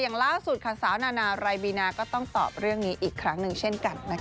อย่างล่าสุดค่ะสาวนานาไรบีนาก็ต้องตอบเรื่องนี้อีกครั้งหนึ่งเช่นกันนะคะ